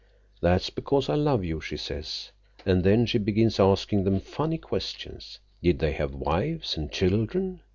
'That's because I love you,' she says, and then she begins asking them funny questions. Did they have wives and children?